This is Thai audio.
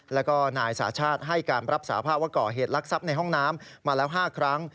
แล้วก็นายสาชาติให้การรับสาภาพว่าก่อเหตุลักษัพในห้องน้ำมาแล้ว๕ครั้ง